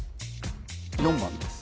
４番です